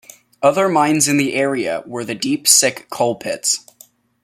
Other mines in the area were the Deep Sick Coal Pits.